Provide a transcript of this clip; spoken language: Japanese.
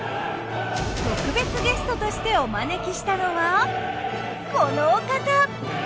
特別ゲストとしてお招きしたのはこのお方！